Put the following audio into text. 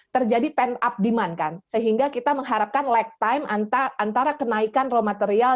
terjadi pent up demand sehingga kita mengharapkan lag time antara kenaikan raw material